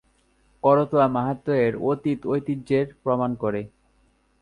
করতোয়া মাহাত্ম্য এর অতীত ঐতিহ্যের প্রমাণ করে।